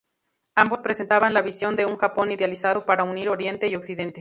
Ambos presentaban la visión de un Japón idealizado para unir Oriente y Occidente.